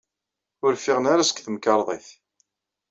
Ur ffiɣen ara seg temkarḍit.